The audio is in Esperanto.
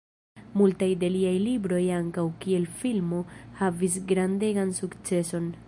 Multaj de liaj libroj ankaŭ kiel filmo havis grandegan sukceson.